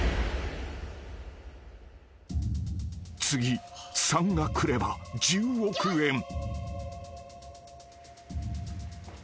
［次３がくれば１０億円］